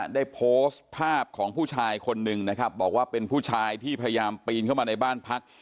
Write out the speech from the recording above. ได้โพสต์ภาพของผู้ชายคนหนึ่งนะครับบอกว่าเป็นผู้ชายที่พยายามปีนเข้ามาในบ้านพัก